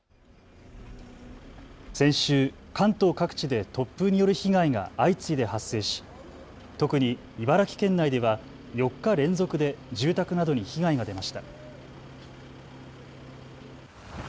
先週、関東各地で突風による被害が相次いで発生し特に茨城県内では４日連続で住宅などに被害が出ました。